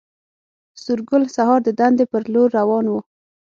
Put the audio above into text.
سورګل سهار د دندې پر لور روان و